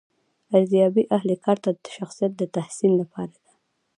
ارزیابي اهل کار ته د شخصیت د تحسین لپاره ده.